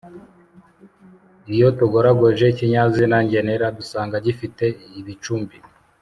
iyo tugoragoje ikinyazina ngenera dusanga gifite ibicumbi